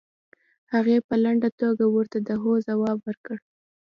هغې په لنډه توګه ورته د هو ځواب ورکړ.